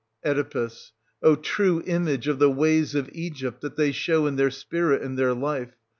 Oe. O, true image of the ways of Egypt that they show in their spirit and their life